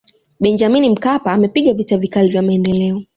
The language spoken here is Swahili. benjamin mkapa amepiga vita vikali vya maendeleo